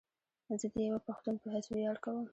زه ديوه پښتون په حيث وياړ کوم